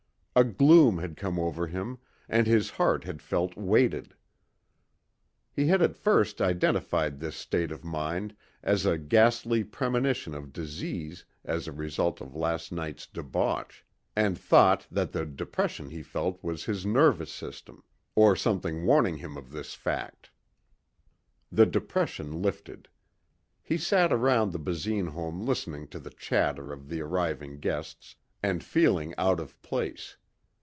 A gloom had come over him and his heart had felt weighted. He had at first identified this state of mind as a ghastly premonition of disease as a result of last night's debauch and thought that the depression he felt was his nervous system or something warning him of this fact. The depression lifted. He sat around the Basine home listening to the chatter of the arriving guests and feeling out of place.